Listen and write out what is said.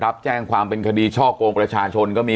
รับแจ้งความเป็นคดีช่อกงประชาชนก็มี